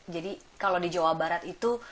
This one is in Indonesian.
jadi kalau di jawa barat itu